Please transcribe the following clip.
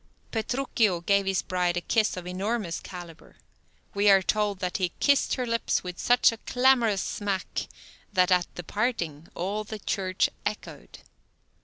Petruchio gave his bride a kiss of enormous calibre. We are told that he "kist her lips with such a clamorous smack, that at the parting all the church echoed."